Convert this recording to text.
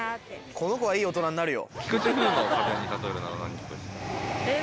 この子はいい大人になるよ。